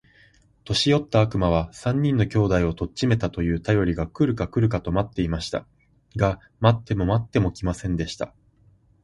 年よった悪魔は、三人の兄弟を取っちめたと言うたよりが来るか来るかと待っていました。が待っても待っても来ませんでした。